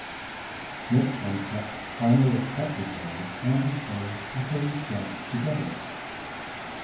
Nick and Kat finally accept each other and they happily dance together.